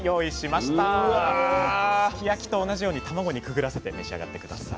すき焼きと同じように卵にくぐらせて召し上がって下さい。